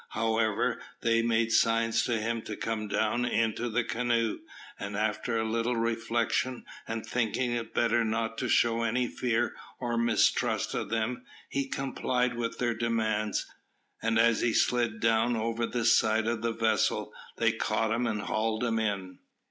However, they made signs to him to come down into the canoe, and after a little reflection, and thinking it better not to show any fear or mistrust of them, he complied with their demands, and as he slid down over the side of the vessel, they caught him, and hauled him in.